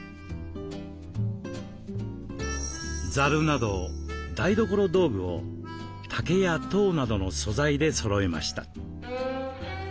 ざるなど台所道具を竹やとうなどの素材でそろえました。